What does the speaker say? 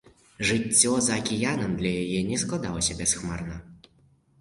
Жыццё за акіянам для яе не складалася бясхмарна.